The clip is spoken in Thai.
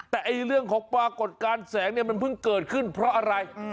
แต่เรื่องของปรากฏการณ์แสงเนี่ยมันเพิ่งเกิดขึ้นเพราะอะไร